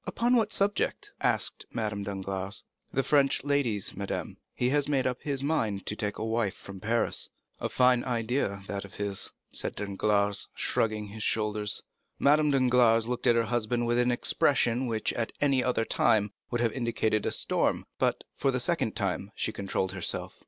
"Upon what subject?" asked Madame Danglars. "The French ladies, madame. He has made up his mind to take a wife from Paris." "A fine idea that of his," said Danglars, shrugging his shoulders. Madame Danglars looked at her husband with an expression which, at any other time, would have indicated a storm, but for the second time she controlled herself.